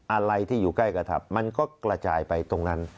อะไรที่อยู่ใกล้กระทับมันก็กระจายไปตรงนั้น